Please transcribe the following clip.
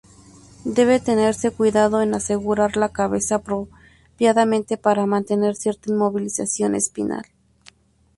Debe tenerse cuidado en asegurar la cabeza apropiadamente para mantener cierta inmovilización espinal.